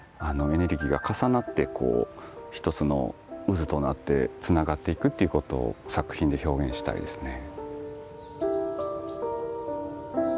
エネルギーが重なってこう一つの渦となってつながっていくっていうことを作品で表現したいですね。